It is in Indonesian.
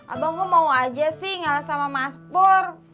abang gua mau aja sih ngalah sama mas pur